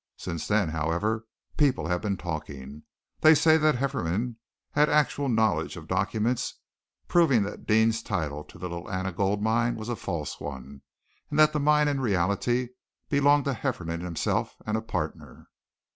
Since then, however, people have been talking. They say that Hefferom had actual knowledge of documents proving that Deane's title to the Little Anna Gold Mine was a false one, and that the mine in reality belonged to Hefferom himself and a partner."